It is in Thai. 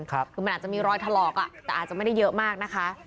คือมันอาจจะมีรอยถลอกอ่ะแต่อาจจะไม่ได้เยอะมากนะคะ